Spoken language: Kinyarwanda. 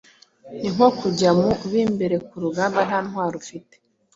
ni nko kujya mu b’imbere ku rugamba nta ntwaro ufite.